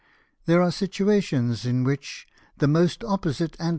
There are situations in which the most opposite and.